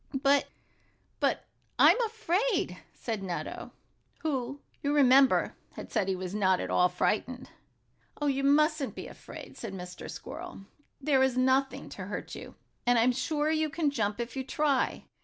"But but I'm afraid," said Nutto, who, you remember, had said he was not at all frightened. "Oh, you mustn't be afraid," said Mr. Squirrel. "There is nothing to hurt you. I'm sure you can jump if you try.